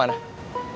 enggak mau jatuh lagi